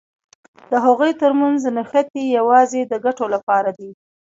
د هغوی تر منځ نښتې یوازې د ګټو لپاره دي.